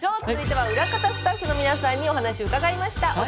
続いては裏方スタッフの皆さんにお話伺いました。